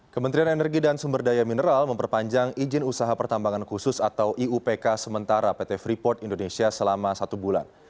kementerian energi dan sumber daya mineral memperpanjang izin usaha pertambangan khusus atau iupk sementara pt freeport indonesia selama satu bulan